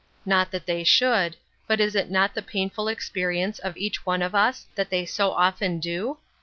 Not that they should, but is it not the painful experience of each one of us that they so often do